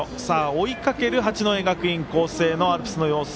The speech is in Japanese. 追いかける八戸学院光星のアルプスの様子